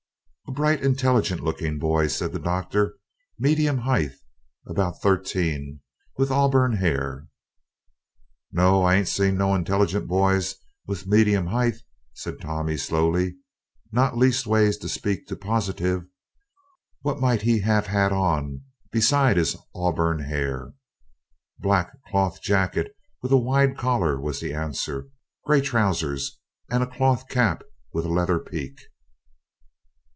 "A bright intelligent looking boy," said the Doctor, "medium height, about thirteen, with auburn hair." "No, I ain't seen no intelligent boys with median 'eight," said Tommy slowly, "not leastways, to speak to positive. What might he 'ave on, now, besides his oburn 'air?" "Black cloth jacket, with a wide collar," was the answer; "grey trousers, and a cloth cap with a leather peak."